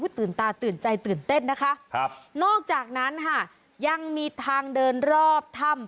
ตื่นตาตื่นใจตื่นเต้นนะคะครับนอกจากนั้นค่ะยังมีทางเดินรอบถ้ำ